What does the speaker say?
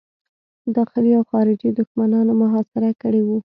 داخلي او خارجي دښمنانو محاصره کړی وو.